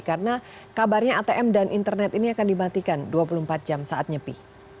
karena kabarnya atm dan internet ini akan dimatikan dua puluh empat jam saat nyepi